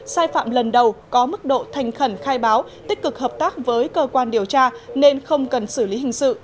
sai phạm lần đầu có mức độ thành khẩn khai báo tích cực hợp tác với cơ quan điều tra nên không cần xử lý hình sự